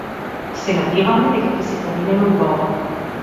Се надеваме дека ќе си поминеме убаво.